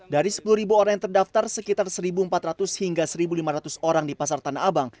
dari sepuluh orang yang terdaftar sekitar satu empat ratus hingga satu lima ratus orang di pasar tanah abang